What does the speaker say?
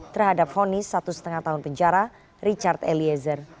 terhadap fonis satu lima tahun penjara richard eliezer